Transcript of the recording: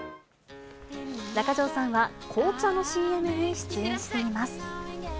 中条さんは紅茶のＣＭに出演しています。